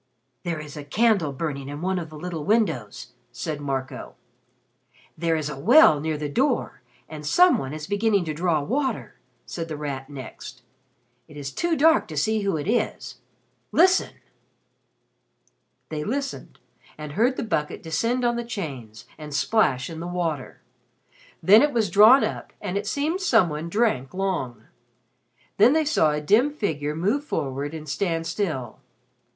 "There is a candle burning in one of the little windows," said Marco. "There is a well near the door and some one is beginning to draw water," said The Rat, next. "It is too dark to see who it is. Listen!" They listened and heard the bucket descend on the chains, and splash in the water. Then it was drawn up, and it seemed some one drank long. Then they saw a dim figure move forward and stand still.